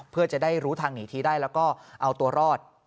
เพื่อจะได้รู้ทางหนีทีได้แล้วก็เอาตัวรอด